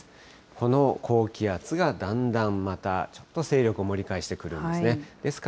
この高気圧がだんだんまた、ちょっと勢力を盛り返してくるんですね。